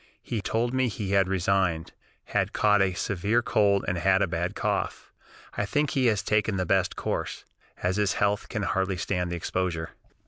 He told me he had resigned, had caught a severe cold and had a bad cough. I think he has taken the best course, as his health can hardly stand the exposure."